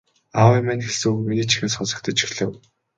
Аавын маань хэлсэн үг миний чихэнд сонсогдож эхлэв.